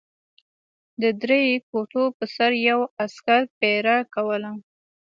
د درې کوټو پر سر یو عسکر پېره کوله.